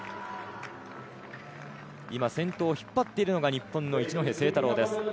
今、先頭を引っ張っているのが日本の一戸誠太郎です。